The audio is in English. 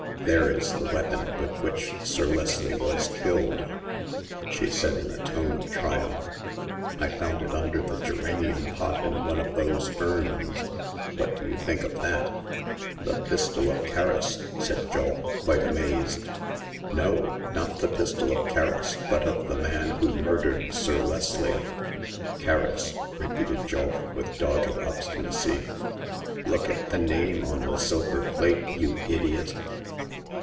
'* There is the weapon with which Sir Leslie was killed !*' she said, in a tone of triumph. " I found it under the geranium pot in one of those urns. What do you think of that ?" "The pistol of Kerris!" said Julf, quite amazed. No ; not the pistol of Kerris, but of the man who murdered Sir Leslie." " Kerris," repeated Julf, with dogged obstinacy. " Look at the name on the silver plate, you idiot!"